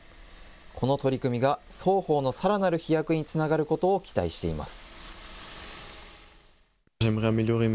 この取り組みが双方のさらなる飛躍につながることを期待しています。